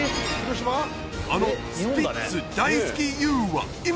あのスピッツ大好きＹＯＵは今！